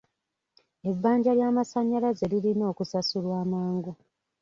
Ebbanja ly'amasannyalaze lirina okusasulwa mangu.